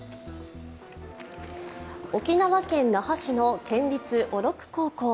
沖縄県那覇市の県立小禄高校。